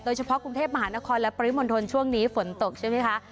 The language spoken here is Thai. โดยเฉพาะกรุงเทพมหานครและปริมวนธนช่วงนี้ฝนตกใช่ไหมคะ